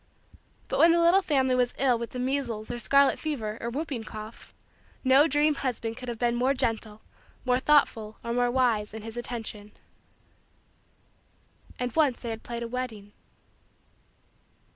But when the little family was ill with the measles or scarlet fever or whooping cough no dream husband could have been more gentle, more thoughtful, or more wise, in his attention. And once they had played a wedding.